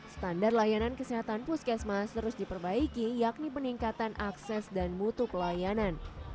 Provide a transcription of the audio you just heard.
standar layanan kesehatan puskesmas terus diperbaiki yakni peningkatan akses dan mutu pelayanan